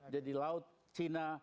jadi laut cina